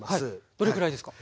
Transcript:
どれくらいですか？